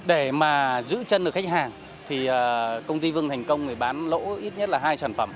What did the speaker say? để mà giữ chân được khách hàng thì công ty vương thành công thì bán lỗ ít nhất là hai sản phẩm